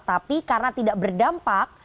tapi karena tidak berdampak